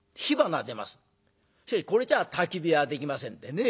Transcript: しかしこれじゃたき火はできませんでね。